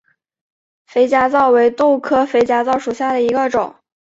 肥皂荚为豆科肥皂荚属下的一个种。